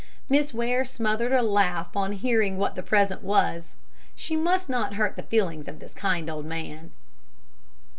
Miss Ware smothered a laugh on hearing what the present was. She must not hurt the feelings of this kind old man!